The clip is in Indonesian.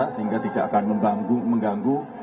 sehingga tidak akan mengganggu